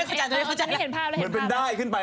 เหมือนได้ขึ้นไปแล้ว